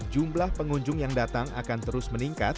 jumlah pengunjung yang datang akan terus meningkat